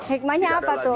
hikmahnya apa tuh